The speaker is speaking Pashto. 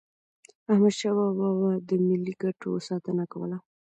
احمدشاه بابا به د ملي ګټو ساتنه کوله.